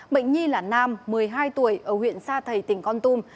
bệnh nhi là nam một mươi hai tuổi ở huyện sa thầy tỉnh con tum